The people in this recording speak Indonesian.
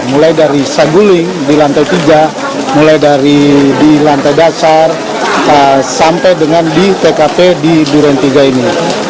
mulai dari saguling di lantai tiga mulai dari di lantai dasar sampai dengan di tkp di duren tiga ini